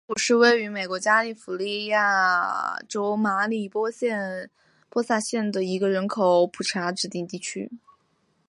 贝尔谷是位于美国加利福尼亚州马里波萨县的一个人口普查指定地区。